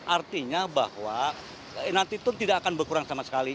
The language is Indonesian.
artinya bahwa nanti itu tidak akan berkurang sama sekali